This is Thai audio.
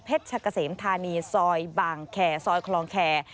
ชะกะเสมธานีซอยบางแคร์ซอยคลองแคร์